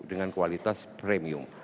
dengan kualitas premium